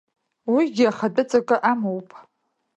Уигьы ахатәы ҵакы амоуп.